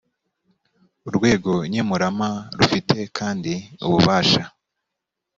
urwego nkemurampa rufite kandi ububasha